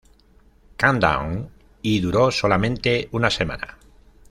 Countdown y duró solamente una semana.